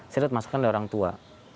saya lihat masukan dari orang tua